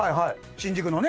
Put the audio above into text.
新宿のね。